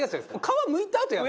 皮むいたあとやる。